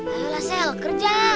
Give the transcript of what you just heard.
ayo lah selly kerja